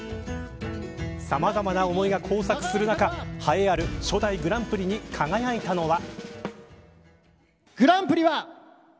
さまざまな思いが交錯する中栄えある初代グランプリに輝いたのは。